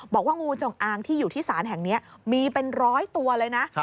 บอกว่างูจงอางที่อยู่ที่ศาลแห่งนี้มีเป็นร้อยตัวเลยนะ